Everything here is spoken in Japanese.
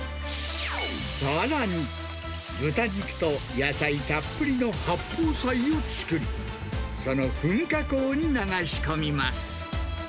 さらに、豚肉と野菜たっぷりの八宝菜を作り、その噴火口に流し込みます。